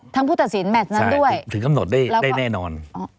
ทั้งผู้ตัดสินแมทนั้นด้วยถึงคำหนดได้ได้แน่นอนอ๋อ